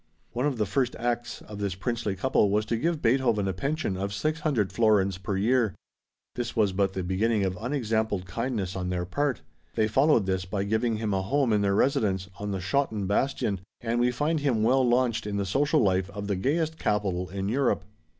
One of the first acts of this princely couple was to give Beethoven a pension of 600 florins per year. This was but the beginning of unexampled kindness on their part. They followed this by giving him a home in their residence on the Schotten bastion, and we find him well launched in the social life of the gayest capital in Europe.